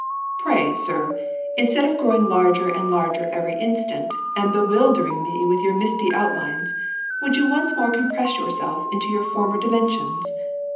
Pray, sir, instead of growing larger and larger every instant, and bewildering me with your misty outlines, would you once more compress yourself into your former dimensions?